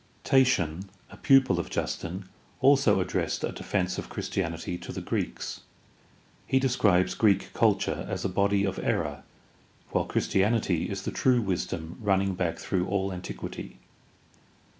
Tatian, a pupil of Justin, also addressed a defense of Christianity to the Greeks. He describes Greek culture as a body of error, while Christianity is the true wisdom running back through all antiquity.